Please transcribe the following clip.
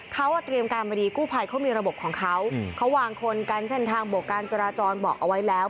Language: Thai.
เขาเตรียมการมาดีกู้ภัยเขามีระบบของเขาเขาวางคนกันเส้นทางบกการจราจรบอกเอาไว้แล้ว